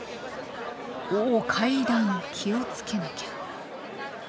おお階段気を付けなきゃ。